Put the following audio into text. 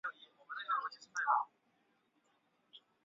帕拉纳西蒂是巴西巴拉那州的一个市镇。